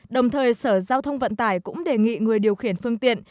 đồng thời sở giao thông vận tải cũng đề nghị người điều khiển phương tiện